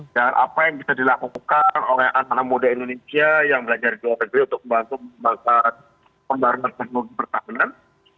dan apa yang bisa dilakukan oleh anak muda indonesia yang belajar di jawa tenggara untuk membantu pembahasan pembaruan teknologi pertahanan